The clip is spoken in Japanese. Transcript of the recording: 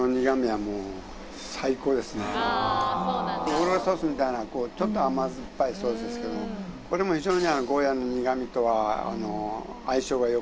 オーロラソースみたいなちょっと甘酸っぱいソースですけどこれも非常にゴーヤの苦味と相性が良くて。